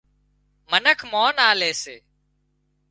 منک مانَ آلي سي